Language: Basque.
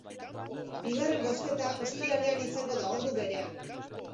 Bigarren bozketa ostiralean izango da, ordu berean.